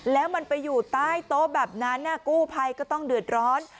แล้วมันไปอยู่ใต้โต๊ะแบบนั้นกู้ภัยก็ต้องเดือดร้อน